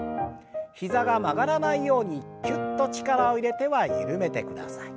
膝が曲がらないようにきゅっと力を入れては緩めてください。